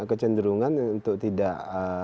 kecenderungan untuk tidak